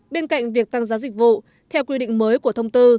bên cạnh việc tăng giá dịch vụ theo quy định mới của thông tư